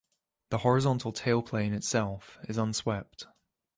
The horizontal tailplane itself is unswept.